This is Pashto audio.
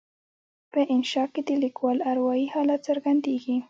په انشأ کې د لیکوال اروایي حالت څرګندیږي.